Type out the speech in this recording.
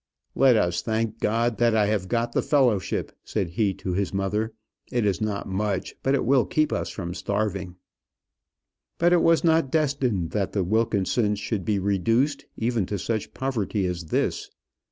"Let us thank God that I have got the fellowship," said he to his mother. "It is not much, but it will keep us from starving." But it was not destined that the Wilkinsons should be reduced even to such poverty as this.